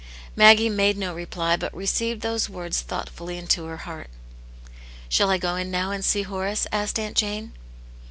Maggie made no reply, but received those words thoughtfully into her heart. " Shall I go in now and see Horace ?" asked Aunt Jane.